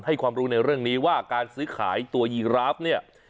ความรู้ในเรื่องนี้ว่าการซื้อขายตัวยีราฟเนี่ย